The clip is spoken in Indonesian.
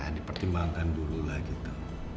dipertimbangkan dulu lah gitu